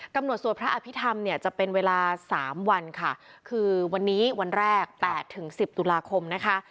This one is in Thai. สวดพระอภิษฐรรมเนี่ยจะเป็นเวลาสามวันค่ะคือวันนี้วันแรก๘๑๐ตุลาคมนะคะ